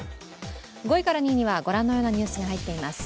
５位から２位にはご覧のようなニュースが入っています。